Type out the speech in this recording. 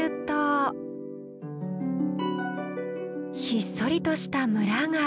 ひっそりとした村が。